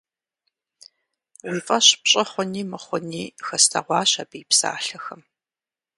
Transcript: Уи фӀэщ пщӀы хъуни мыхъуни хэслъэгъуащ абы и псалъэхэм.